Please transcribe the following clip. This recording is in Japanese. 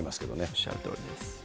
おっしゃるとおりです。